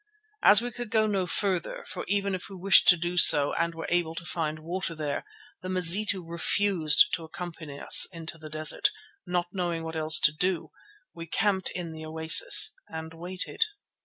As we could go no farther, for even if we had wished to do so, and were able to find water there, the Mazitu refused to accompany us into the desert, not knowing what else to do, we camped in the oasis and waited.